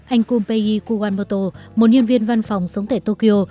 anh kumpei kuganmoto một nhân viên văn phòng sống tại tokyo